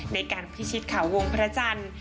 ในการพิชิตข่าววงพระจันทร์